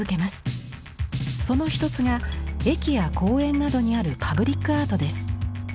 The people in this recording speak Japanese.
その一つが駅や公園などにあるパブリックアートです。